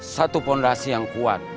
satu fondasi yang kuat